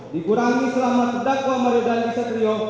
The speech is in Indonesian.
dikurangi selama terdakwa mario dandi satrio